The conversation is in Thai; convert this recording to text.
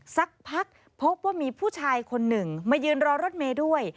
สักพักพบว่ามีผู้ชายคนหนึ่งมายืนรอรถเมย์ด้วย